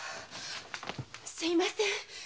すみません。